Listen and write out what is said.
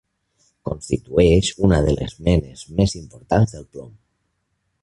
Constitueix una de les menes més importants del plom.